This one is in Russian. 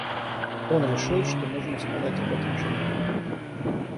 Он решил, что нужно сказать об этом жене.